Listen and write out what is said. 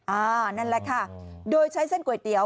นั่นแหละค่ะโดยใช้เส้นก๋วยเตี๋ย